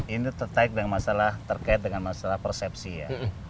ini terkait dengan masalah persepsi ya